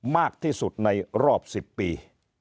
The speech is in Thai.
มากที่สุดในรอบ๑๐ปี